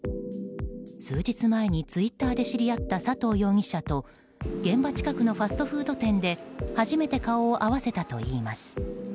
数日前にツイッターで知り合った佐藤容疑者と現場近くのファストフード店で初めて顔を合わせたといいます。